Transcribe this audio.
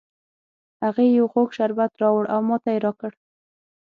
هغې یو خوږ شربت راوړ او ماته یې را کړ